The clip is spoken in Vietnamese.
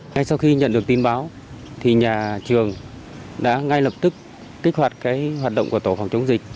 ngay sau khi nhận được tin báo thì nhà trường đã ngay lập tức kích hoạt hoạt động của tổ phòng chống dịch